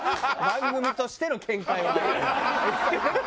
番組としての見解は。